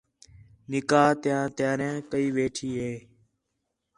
نِکاح تِیاں تیاریاں کَئی ویٹھے ہے